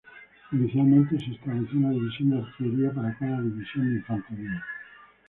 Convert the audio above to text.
Inicialmente se estableció una división de artillería para cada división de infantería.